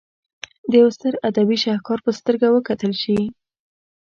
د یوه ستر ادبي شهکار په سترګه وکتل شي.